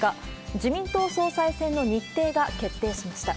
自民党総裁選の日程が決定しました。